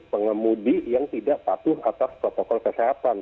pengemudi yang tidak patuh atas protokol kesehatan